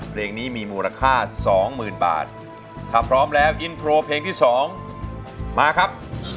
เพลงนี้มีมูลค่าสองหมื่นบาทถ้าพร้อมแล้วอินโทรเพลงที่๒มาครับ